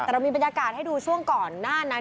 แต่เรามีบรรยากาศให้ดูช่วงก่อนหน้านั้น